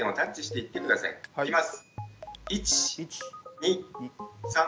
いきます。